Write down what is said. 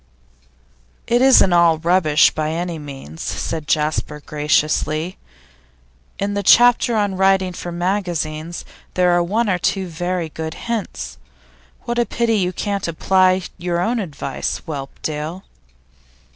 'It isn't all rubbish, by any means,' said Jasper, graciously. 'In the chapter on writing for magazines, there are one or two very good hints. What a pity you can't apply your own advice, Whelpdale!